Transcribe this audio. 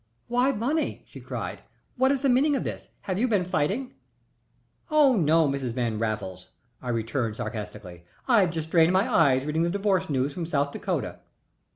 "Why, Bunny!" she cried. "What is the meaning of this? Have you been fighting?" "Oh no, Mrs. Van Raffles," I returned, sarcastically, "I've just strained my eyes reading the divorce news from South Dakota."